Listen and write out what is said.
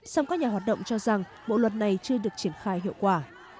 song các nhà hoạt động cho rằng bộ luật này chưa được triển khai hiệu quả